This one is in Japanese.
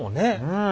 うん。